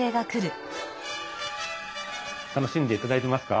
楽しんでいただいてますか？